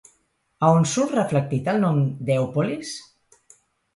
A on surt reflectit el nom d'Èupolis?